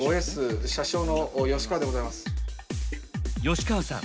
吉川さん